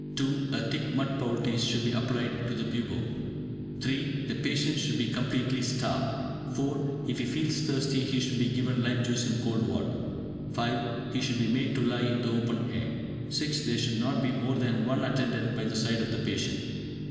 (2) A thick mud poultice should be applied to the bubo. (3) The patient should be completely starved. (4) If he feels thirsty, he should be given lime juice in cold water. (5) He should be made to lie in the open air. (6) There should not be more than one attendant by the side of the patient.